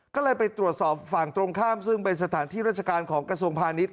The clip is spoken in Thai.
ก็เลยไปตรวจสอบฝั่งตรงข้ามซึ่งเป็นสถานที่ราชการของกระทรวงพาณิชย